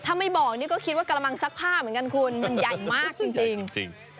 ถ้าไม่บอกนี่ก็คิดว่ากระมังซักผ้าเหมือนกันคุณมันใหญ่มากจริง